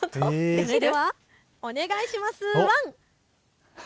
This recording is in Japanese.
それでは、お願いします。